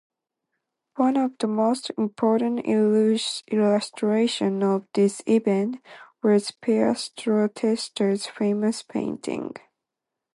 One of the most important illustrations of this event was Pietro Testa's famous painting.